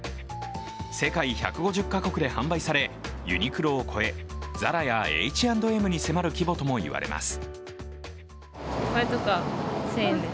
世界１５０か国で販売されユニクロを超え、ＺＡＲＡやＨ＆Ｍに迫る規模とも言われます。